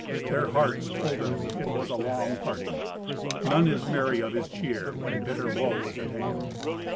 Their hearts told them it was a long parting. None is merry of his cheer when bitter woe is at hand.